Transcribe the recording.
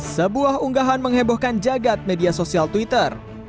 sebuah unggahan menghebohkan jagad media sosial twitter